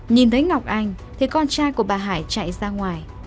nhìn thấy ngọc anh thì con trai của bà hải chạy ra ngoài